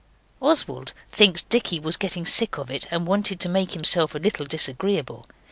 Oswald thinks Dicky was getting sick of it and wanted to make himself a little disagreeable.